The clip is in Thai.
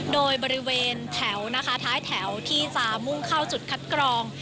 โดยบริเวณแถวนะคะท้ายแถวที่จะมุ่งเข้าจุดคัดกรอง